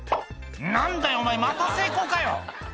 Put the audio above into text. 「何だよお前また成功かよ」